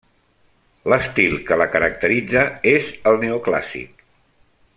L'estil que la caracteritza és el neoclàssic.